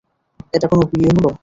এটা কোনো বিয়ে হলো।